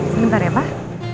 sebentar ya pak